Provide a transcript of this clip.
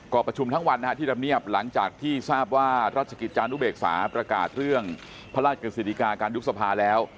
ก็ประชุมทั้งวันที่ธรรมเนียบหลังจากที่ทราบว่าราชกิจจานุเบกษาประกาศเรื่องพระราชกฤษฎิกาการยุบสภาแล้ว